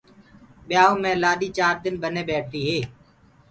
ٻيآئوٚ مي لآڏي چآر دن ٻني ٻيٺديٚ هي۔